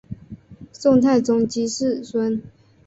宋太宗七世孙。